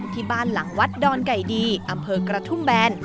ที่บ้านหลังวัดดอนไก่ดีอำเภอกระทุ่มแบน